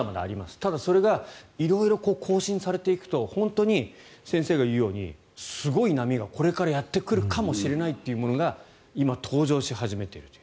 ただそれが色々更新されていくと本当に先生が言うようにすごい波がこれからやってくるかもしれないというものが今、登場し始めているという。